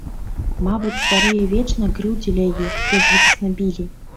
Мабыць, старыя вечна крыўдзілі яе, бязлітасна білі.